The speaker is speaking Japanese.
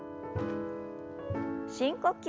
深呼吸。